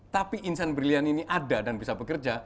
tapi insan brilliant ini ada dan bisa bekerja